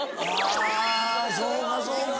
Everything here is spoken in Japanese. あそうかそうか。